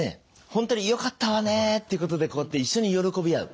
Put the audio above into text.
「本当によかったわね」っていうことでこうやって一緒に喜び合う。